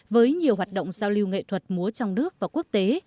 với nhiều hoạt động giao lưu nghệ thuật múa trong nước và quốc tế